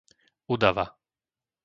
Udava